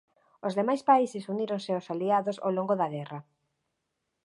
Os demais países uníronse ós aliados ó longo da guerra.